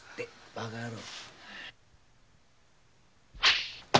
バカ野郎！